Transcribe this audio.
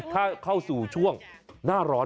ถ้าเข้าสู่ช่วงหน้าร้อน